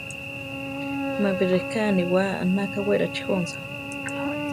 Mapi reká aniwá anaka Wérachi jónsa.